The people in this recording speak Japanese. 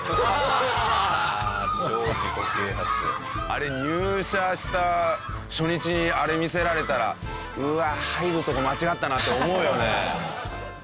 あれ入社した初日にあれ見せられたらうわ入るとこ間違ったなって思うよね。